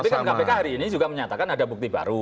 tapi kan kpk hari ini juga menyatakan ada bukti baru